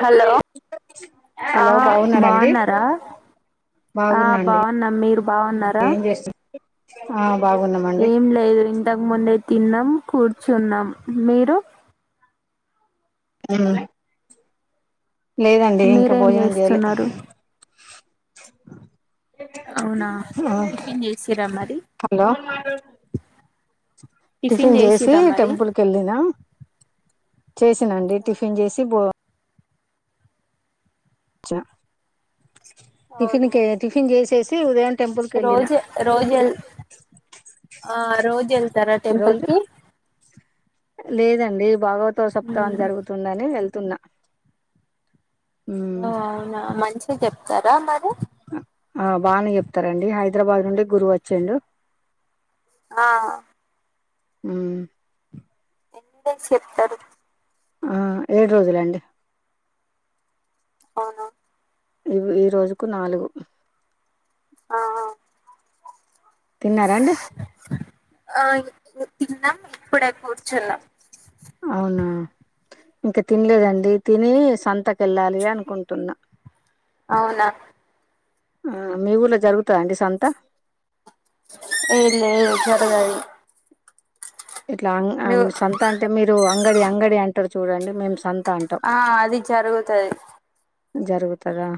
Hello ఆ hello బాగున్నారండి బాగున్నారా అ బాగున్నాండి బాగున్న మీరు బాగున్నారా ఏం చేస్తు ఆ బాగున్నామండి ఏం లేదు ఇంతకుముందు తిన్నం కూర్చున్నం మీరు ఉమ్ లేదండి ఇంకా మీరేం భోజనం చేయలే చేస్తున్నారు అవునా ఆ టిఫిన్ చేసిరా మరి హలో టిఫిన్ జేసి చేసిరా మరి టెంపుల్ కెళ్ళినా. చేసినా అండి టిఫిన్ జేసి బో చా టిఫిన్ అవునా టిఫిన్ చేసే రోజు రోజు వెల్ ఆ రోజు వెళ్తారా టెంపుల్ రోజు కి లేదండి బాగా సప్తాం ఉమ్ జరుగుతుందని వెళ్ తున్నా ఓ అవునా మంచిగా చెప్తారా మరి ఆ బాగానే చెప్తారండి హైదరాబాద్ నుండి గురువు వచ్చాండు ఆ అ ఎందు చెప్తాడు ఆ ఏడు రోజులండి అవును ఇ ఈ రోజుకు నాలుగు ఆ తిన్నారాండి ఆ తిన్నాం ఇప్పుడే కూర్చున్నాం అవునా ఇంకా తినలేదండి తిని సంతక వెళ్ళాలి అనుకుంటున్నా అవునా ఆ మీ ఊలో జరుగుతా అండి సంత ఏ లే చరగాయి ఇట్లా అ సంత అంటే మీరు అంగడి అంగడి అంటారు చూడండి మేం సంత అంటాం ఆ అది జరుగుతుది జరుగుతారా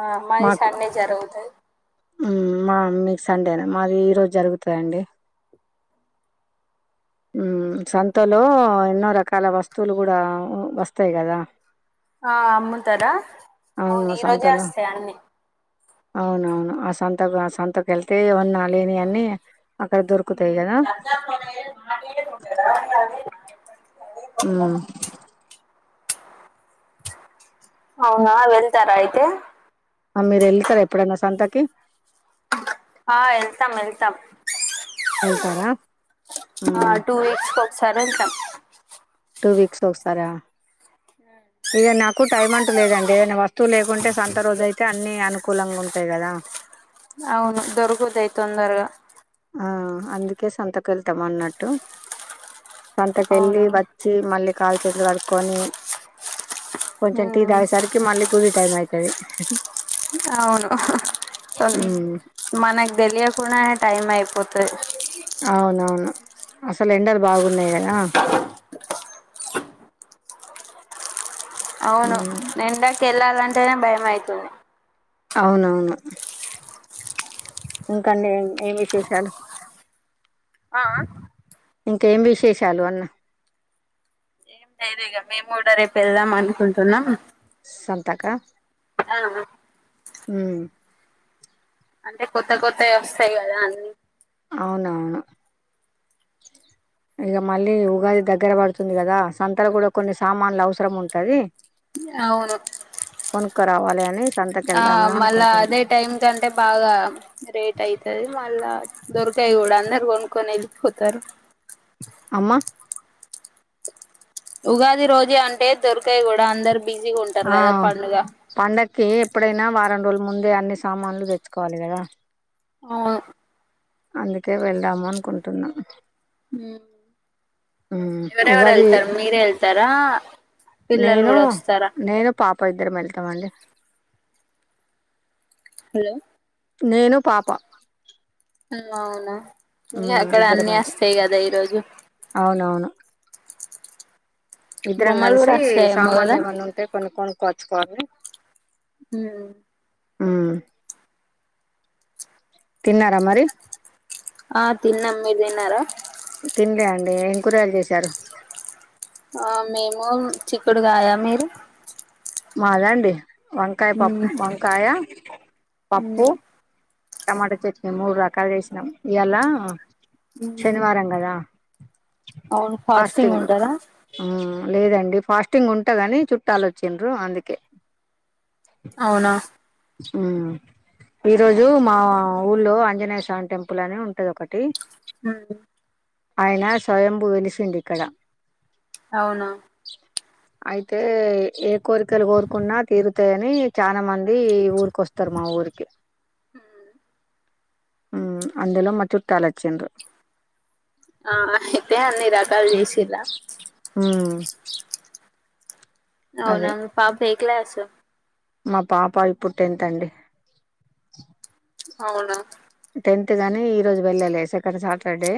ఆ అ మారి సం జరువుతుంది మా మీకు సండేనే మాది ఈరోజు జరుగుతాయండి సంతలో ఎన్నో రకాల వస్తువులు కూడా వస్తాయి కదా ఆ అమ్ముతారా అవును ఈ రోజే వస్తాయి అన్ని అవునవును ఆ సంతకు ఆ సంతకు వెళ్తే ఏమన్నా లేని అని [inaudible] [inaudible] మ్ అవునా వెళ్తారా అయితే ఆ మీరు వెళతారా ఎప్పుడైన్నా సంతకి ఆ వెళ్తాం వెళ్తాం వెళ్తారా టూక్స్ [unintelligible] టూ వీక్స్ ఒకసారా, ఇక నాకు టైం అంటూ లేదండి ఏదైనా వస్తువు లేకుంటే సొంత రోజ అయితే అన్నీ అనుకూలంగా ఉంటాయి కదా అవును దొరుకుతయి తొందరగా ఆ అందుకే సంతకు వెళ్తాం అన్నట్టు సంతకి వెళ్లి అవునా వ చ్చి మళ్ళీ కాలు చేతులు కడుకొని కొంచెం టీ ఉమ్ తాగే సరికి మళ్ళీ కుడి టైమ్ అయి తది అవును ఉమ్ మనక్ తెలియకుండానే టైం అయిపోతది అవునవును అసలు ఎండలు బాగున్నాయి కదా అవును ఉమ్ ఎండ కెళ్ళాలంటేనే భయం అయితుంది అవునవును ఇంకాండి ఏం ఏం విశేషాలు ఆ ఆ ఇంకేం విశేషాలు అన్న లేదిగా మేము కూడా రేపు వెళ్దాం అనుకుంటున్నాం సంతకా ఆ ఆ మ్మ్ అంటే కొత్త కొత్తయి వస్తాయి కదా అన్ని అవున ఇగా మళ్ళీ ఉగాది దగ్గర పడుతుంది కదా సంతలు కూడా కొన్ని సామాన్లు అవసరం ఉంటది అవును కొనుక్కరావాలి అని ఆ సంతకెళ్దాము మళ్ళా అనుకుంటున్నా అదే టైం కంటే బాగా రేట్ అయితది మళ్ళా దొరకాయ్ గూడ అందరు కొనుక్కొని వెళ్ళిపోతారు అమ్మా ఉగాది రోజు అంటే దొరకాయి కూడా అందరు బిజీగా ఉంటారు కదా పండుగ ఏ ఎప్పుడైనా వారం రోజుల ముందే అన్ని సామాన్లు తెచ్చుకోవాలి కదా అవును అందుకే వెళ్దాము అనుకుంటున్నాం మ్ ఎవరెవరు ఉగాది వెళ్తారు మీరే వెళ్తారా పిల్లలు నేను కూడా వస్తారా నేను పాప ఇద్దరం వెళ్తామండి హలో నేను పాపా ఉమ్ అవున ఇగ అక్కడ ఇద్దరం అన్నీ వెళ్తాం వస్తాయి కదా ఈరోజు అవునవును ఇద్దరం బొమ్మలు కూడా కలిసి వస్తాయేమో సామాన్లు కదా ఏమన్నా ఉంటే కొన్ని కొను పచ్చి పన్ని ఉమ్ ఉమ్ తిన్నారా మరి ఆ తిన్నాం మీరు తిన్నారా తినలే అండి ఏం కూరలు చేశారు ఆ మేము చిక్కుడు కాయా మీరు మాదా అండి వంకాయ పప్ ఉమ్ వంకాయ పప్పు టమాటా చట్నీ మూడు రకాలు చేసినాం ఇయాల ఉమ్ శనివారంగాదా అవును ఫాస్టింగ్ ఉంటదా మ్మ్ లేదండి ఫాస్టింగ్ ఉంటా కాని చుట్టాలు వచ్చండ్రు అందుకే అవునా ఉ ఈరోజు మా ఊళ్లో ఆంజనేయ స్వామి టెంపుల్ అని ఉంటది ఒకటి హ అండి అయినా స్వయంభు వెలిసిండిక్కడ అవునా అయితే ఏ కోరికలు కోరుకున్నా తీరుతాయని చానా మంది ది ఊరికి వస్తారు మా ఊరికి ఆ అందులో మా చుట్టాలు వచ్చిండు ఆ అయితే అన్నీరాకల్ చేసిం ఇలా ఆ అవునా పాప్ ఏ క్లాసు మా పాప ఇప్పుడు టెన్త్ అండి అవునా టెన్త్ గాని ఈరోజు వెళ్ళలే సెకండ్ సాటర్డే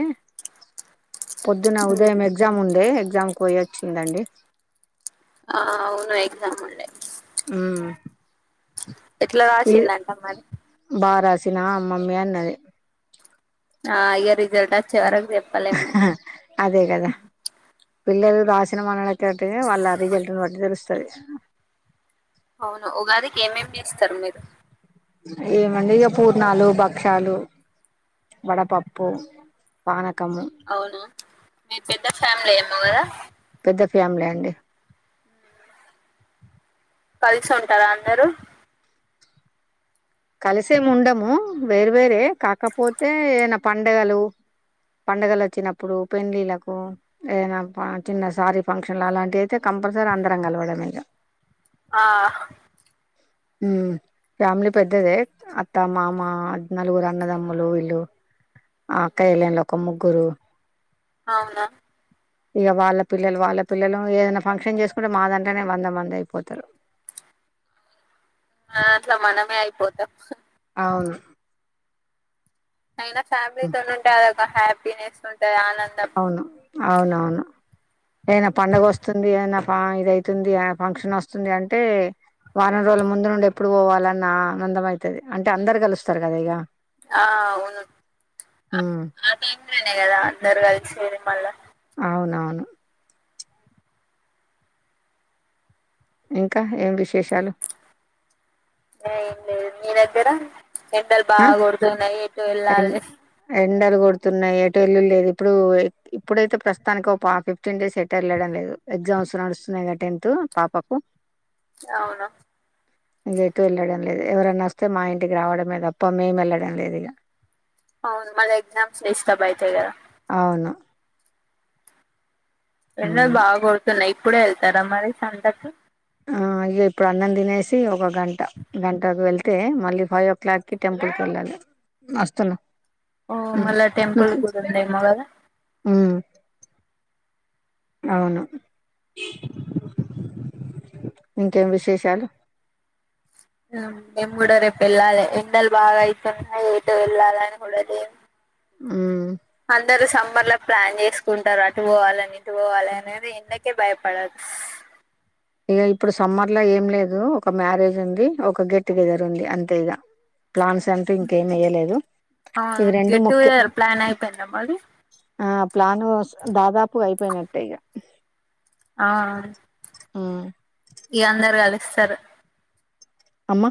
పొద్దున ఉదయం ఎగ్జామ్ ఉండే ఎగ్జామ్ కి పోయి వచ్చిందండి ఆ అవును ఎగజామ్ ఉండే హ్మ్ ఎట్లా రాసిందంటమ్ మరి చ్చిన అమ్మమ్మ అన్నది ఆ ఇగ రిజల్ట్ అచ్చే వర [unintelligible] అదే గదా పిల్లలు రాసిన [unintelligible] టినే వాళ్ళ రిజల్ట్ ను బట్టి తెలుస్ తది అవును ఉగాదికి ఏమేం చేస్తరు మిరు ఏమన్నా ఇగ పూర్ణాలు భక్షలు వడపప్పు పాన అవునా మీదు పెద్ద ఫ్యామిలీ ఏమో గద ద ఫ్యామిలీ అండి కలిసి ఉంటర మిరు కలిసేము ఉండము వేరు వేరే కాకపోతే ఏై పండగలు కలిసేముండము వేరు వేరే కాకపోతే ఏదైనా పండగలు పండుగలచ్చినప్పుడు పెండ్లిలకు ఏదనా చిన్న సారి ఫంక్షన్లు అలాంటి అయితే కంపల్సరీ అందరం కలవడమే ఇగ ఆ హ్మ్ ఫ్యామి [unintelligible] పెద్దదే అత్త మామ నలుగురు అన్నదమ్ములు వీళ్ళు ఆక్కజెల్లెల్లోక ముగ్గురు అవునా ఇగ వాళ్ళ పిల్లలు వాళ్ళ పిల్లలు ఏదనా ఫంక్షన్ చేసుకుంటే మాదంటనే వంద మంది అయిపోతరు ఆ అట్లా మనమే అయిపోతం అవును అయినా ఉమ్, ఫ్యామిలీతో నుంటే అదొ అ హ్యాపీనెస్ ఉంటదా అని అవును అవునవును ఎదైనా పండగ వస్తుంది ఏదన్న ప ఇదయితుంది ఫంక్షన్ వస్తుందీ అంటే వారం రోజుల ముందు నుండి ఎప్పుడు పోవాలన్న ఆనందం అయితది అంటే అందరు కలుస్తరు కదా ఇగ ఆ అవును ఉమ్ [unintelligible] గదా అందరు గల్ ఇది మల్ల అవునవును ఇంకా ఏం విశేషం ఏం లేదు మీర్ పరా ఎండల్ ఆ బాగా గొడుతున్నై ఎటు ఎన్ వెళ్లాలనిలేదు ఎండలు గొడుతున్నయి ఎటువల్ లేదు ఇప్పుడు ఇప్పుడైతే ప్రస్తుతానికి ఒక ఫిఫ్టీన్ డేస్ ఎటు వెళ్ళడం లేదు ఎగ్జామ్స్ నడుస్తున్నాయి కదా టెన్త్ పాపకు అవునా [unintelligible] ఎటు వెళ్ళడం లేదు ఎవరనా వస్తే మా ఇంటికి రావడమే త ప్ప మే మల్లడంలేదిగ అవును మల్ ఎగసామ్స్ డిస్టర్బ్ అయితయి గదా అవును ఎండలు ఉమ్. బాగా గొడుతున్నయి ఇప్పుడు వెళ్తారా మరి సంతకు ఇ ఇప్పుడు అన్నం తినేసి ఒక గంట గంటకు వెళ్తే మళ్ళీ ఫైవ్ ఓ క్లాక్కిి టెంపుల్కి వెళ్ళాలి వస్తున్నా ఓ ఉమ్. మళ నువ్వు టెంపల్ తి- గుడుంది కదా ఉమ్, అవును ఇంకేం విశేషాలు నిమ్డో రేపు ఎళ్ల్ాల ఎందల్ బాగాయితున్నా ఏయి వెల్ాలానిడది ఉమ్ అందరు సబర్ లో ప్లాన్ చేసుకుంటారు అటు పోవాలని ఇటు పోవాలి అనేది ఎన్నకే భయపడదు ఇక ఇప్పుడు సమ్మర్ లో ఏం లేదు ఒక మ్యారేజ్ ఉంది ఒక ఒక గెట్ టుగెదర్ ఉంది అంత ఇగా ప్లాన్స్ అంటూ ఇంకేం ఇయలేదు అవును ఇవి రెండు గెట్ ముఖ్యం టుగెదర్ ప్లాన్ అయిపోయిందా మరి ఆ ప్లాను దాదాపు అయిపోయినట్టే ఇక ఆ ఇ అందరు కలిస్తారు అమ్మా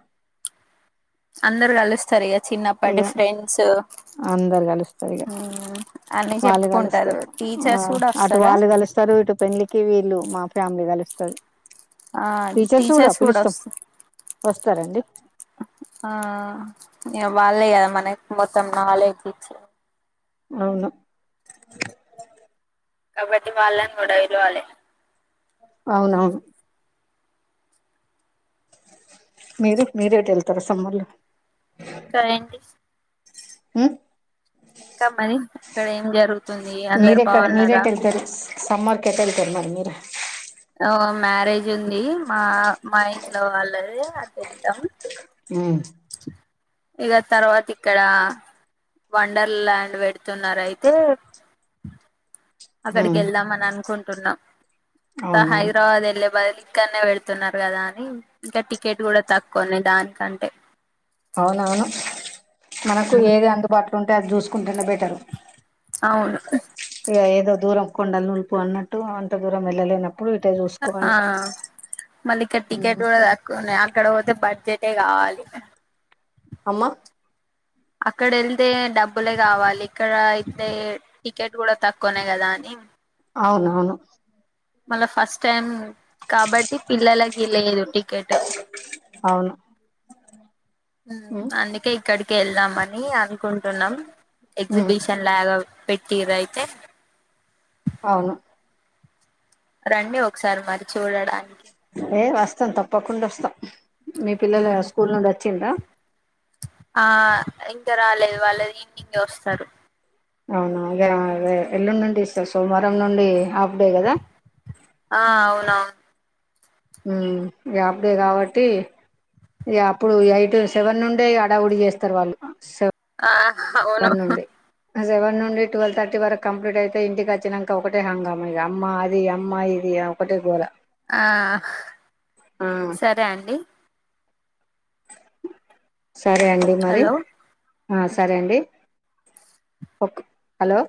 అందరు కలుస్తారు ఈగ ఇక అందరు కలుస్తారు ఇక అన్ని వాళ్ళు చెప్పుకుంటారు కలుస్తారు ఆ టీచర్స్ కూడా అటు వస్తారా వాళ్ళు కలుస్తారు ఇటు పెళ్లికి వీళ్ళు మా ఫ్యామిలీ కలుస్తుంది ఆ టీచర్స్ కూడా వస్తాయి వస్తారండి వాళ్ే కదా మనకి మొత్తం నాలేజ్ ఇచ్చ అవును కబడ్డీ వాళ్ళని కూడా ఇలువాలి అవునవును మీరు మీరేటి వెళ్తారా సమ్మళ్ళు ఇంకా ఏంటి హమ్ ఇంకా మరి ఇక్కడ ఏం జరుగుతుంది అందరు బాగున్నారా కేటాన్కర్ మ మీరా ఓ మ్యారేజ్ ఉంది మా మా ఇంట్లో వాళ్ళది ఉమ్ ఇక తర్వాత ఇక్కడ వండర్ ల్యాండ్ పెడుతున్నారు అయితే అక్కడికి ఉమ్ వెళ్దాం అని అనుకుంటా ఉనమ్ ఇంత అవునా హైదరాబాద్ ఎల్ బ ఇక్కనే వెళతున్నారు కదా అని ఇంకా టికెట్ కూడా తక్కువయి దానికంటే అవున అవును మనకు ఏది అందుబాటులో ఉంటే అది చూసుకుంటేనే బెటర్ అవును ఇ ఏదో దూరం కొండాలి నులుపు అన్నట్టు అంత దూరం వెళ్ళలేనప్పు ఆ మల్ల ఇక్కడ టికెట్ ఉమ్, కూడా తక్కువన్నాయి అక్కడ వోతే బ డ్జెటే కావాలి అమ్మా అక్కడ ఎళ్తే డబ్బులే కావాలి ఇక్కడ అయితే టికెట్ కూడా తక్కువనే కదా అని అవునవును మల్ల ఫస్ట్ టైమ్ కాబట్టి పిల్లలకి లేదు టికెట్ అవును ఉమ్ అందుకే ఇక్కడికి ఎల్దామ నీ అను కుంటున్నాం ఉమ్, ఎగ్జిబిషన్ లాగా పె ట్టీరు అయితే అవును రండి ఒకసారి మరి చ్ ఏ వస్తాం తప్పకుండా వస్తాం మీ పిల్లలు స్కూల్ నుండి వ చ్చిండ్రా ఆ ఇంకా రాలేదు వాళ్ళు ఈవినింగే వస్తారు అవునా అదేదే ఎల్లుండి నుండి ఇస్తారు సోమవారం నుండి హాఫ్ డే కదా ఆ అవునవు ఉమ్ ఇగ ఆఫ్ డే కాబట్టి అప్పుడు ఎయిట్ సెవెన్ నుండే అడావుడి చేస్తారు వాళ్ళు సె ఆ అవును సెవెన్ నుండి టువెల్వ్ థర్టీ వరకు కంప్లీట్ అయితే ఇంటికి వచ్చినంక ఒకటే హంగామా ఇఇ అమ్మ అది అమ్మా ఇది ఒకటే గోలా ఆ సరే అండి సరే అండి మరి హలో ఆ సరే అండి హలో